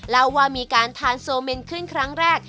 เล่าว่ามีการทานโซเมนขึ้นครั้งแรก